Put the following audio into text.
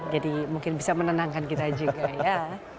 jadi mungkin bisa menenangkan kita juga ya